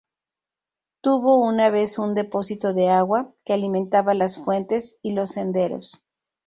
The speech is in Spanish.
Tuvo una vez un depósito de agua, que alimentaba las fuentes y los senderos.